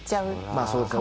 まあそうですね。